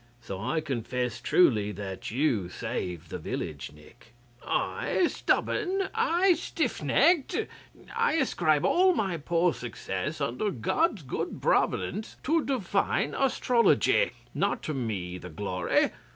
So I confess truly that you saved the village, Nick.' 'I stubborn? I stiff necked? I ascribed all my poor success, under God's good providence, to Divine Astrology. Not to me the glory!